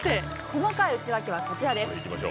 細かい内訳はこちらです。